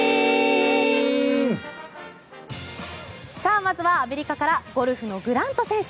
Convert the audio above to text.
まずはアメリカからゴルフのグラント選手。